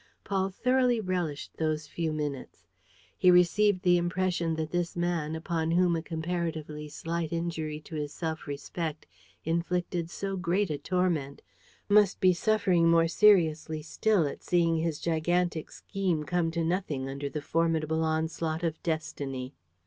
Paul thoroughly relished those few minutes. He received the impression that this man, upon whom a comparatively slight injury to his self respect inflicted so great a torment, must be suffering more seriously still at seeing his gigantic scheme come to nothing under the formidable onslaught of destiny.